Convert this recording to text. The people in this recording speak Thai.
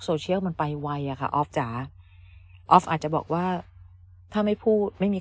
โซเชียลมันไปไวอะค่ะออฟจ๋าออฟอาจจะบอกว่าถ้าไม่พูดไม่มี